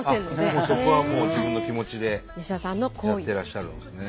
そこはもう自分の気持ちでやってらっしゃるんですね。